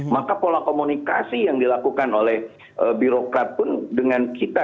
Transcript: maka pola komunikasi yang dilakukan oleh birokrat pun dengan kita